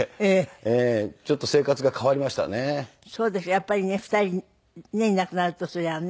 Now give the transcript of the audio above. やっぱりね２人ねいなくなるとそりゃね。